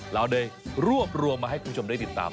เราเลยรวบรวมมาให้คุณผู้ชมได้ติดตาม